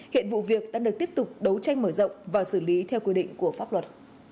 hiện vụ việc đang được tiếp tục đấu tranh mở rộng và xử lý theo quy định của pháp luật